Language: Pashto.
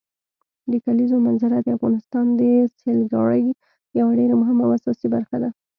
د کلیزو منظره د افغانستان د سیلګرۍ یوه ډېره مهمه او اساسي برخه ده.